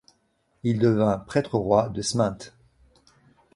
Il devint prêtre-roi de Sminthe.